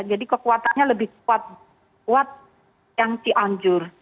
kekuatannya lebih kuat yang cianjur